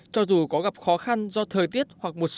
cho dù có gặp khó khăn do thời tiết hoặc một số